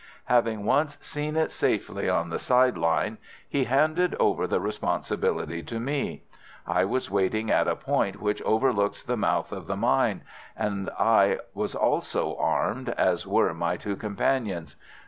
Having once seen it safely on the side line, he handed over the responsibility to me. I was waiting at a point which overlooks the mouth of the mine, and I was also armed, as were my two companions.